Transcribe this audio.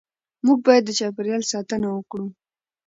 موږ باید د چاپېریال ساتنه وکړو